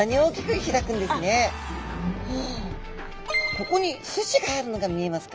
ここにスジがあるのが見えますか？